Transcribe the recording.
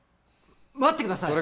待ってください